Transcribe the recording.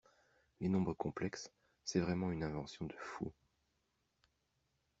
Les nombres complexes, c'est vraiment une invention de fou.